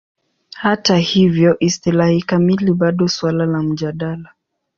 Hata hivyo, istilahi kamili bado suala la mjadala.